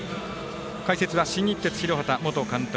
解説は新日鉄広畑元監督